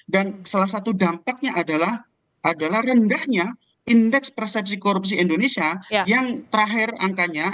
dan salah satu dampaknya adalah rendahnya indeks persepsi korupsi indonesia yang terakhir angkanya